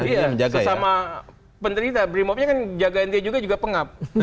iya sesama penterita brimopnya kan jagain dia juga pengap